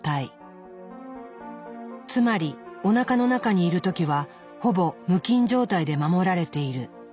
つまりおなかの中にいる時はほぼ無菌状態で守られている。